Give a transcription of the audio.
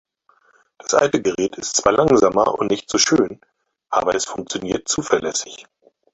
Das alte Gerät ist zwar langsamer und nicht so schön, aber es funktioniert zuverlässig.